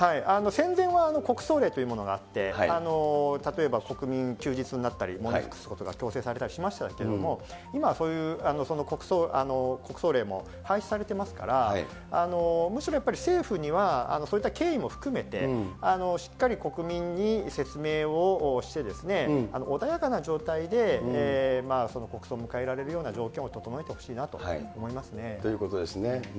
戦前は国葬令というものがあって、例えば国民、休日になったり、喪に服すことが強制されたりしましたけれども、今はそういう国葬令も廃止されていますから、むしろ、やっぱり政府にはそういった経緯も含めて、しっかり国民に説明をして、穏やかな状態でその国葬を迎えられるような状況を整えてほしいなということですね。